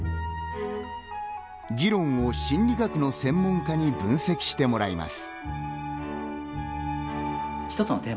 議論を心理学の専門家に分析してもらいます。